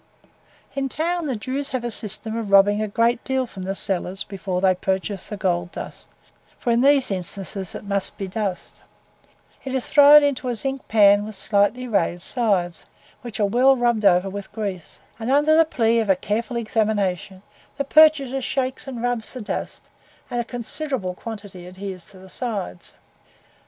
In town, the Jews have a system of robbing a great deal from sellers before they purchase the gold dust (for in these instances it must be DUST): it is thrown into a zinc pan with slightly raised sides, which are well rubbed over with grease; and under the plea of a careful examination, the purchaser shakes and rubs the dust, and a considerable quantity adheres to the sides.